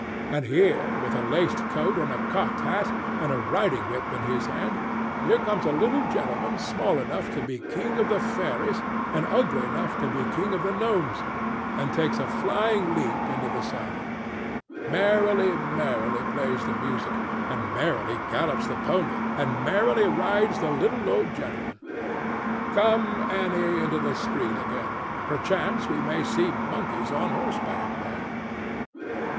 And here, with a laced coat and a cocked hat, and a riding whip in his hand—here comes a little gentleman small enough to be king of the fairies and ugly enough to be king of the gnomes, and takes a flying leap into the saddle. Merrily, merrily plays the music, and merrily gallops the pony, and merrily rides the little old gentleman.—Come, Annie, into the street again; perchance we may see monkeys on horseback there.